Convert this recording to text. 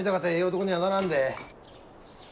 男にはならんで。